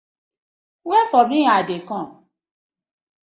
Wait for mi I dey kom.